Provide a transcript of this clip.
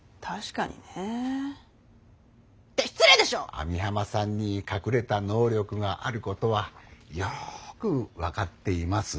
網浜さんに隠れた能力があることはよく分かっています。